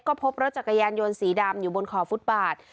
ก็พบรถจักรยานยนต์สีดำอยู่บนขอบฟุตบาท